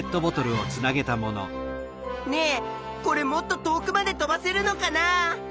ねえこれもっと遠くまで飛ばせるのかなあ？